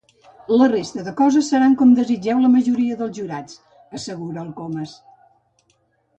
La resta de coses seran com desitgeu la majoria dels jurats —assegura el Comas—.